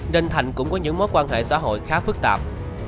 nên thành cũng có những mối quan hệ xã hội khá phức tạp